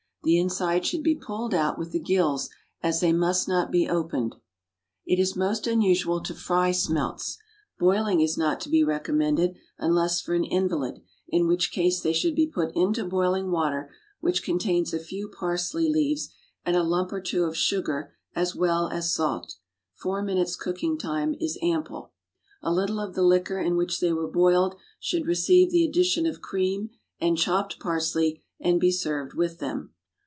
The inside should be pulled out with the gills, as they must not be opened. It is most usual to fry smelts. Boiling is not to be recommended, unless for an invalid, in which case they should be put into boiling water which contains a few parsley leaves and a lump or two of sugar as well as salt; four minutes cooking is ample time. A little of the liquor in which they were boiled should receive the addition of cream and chopped parsley, and be served with them.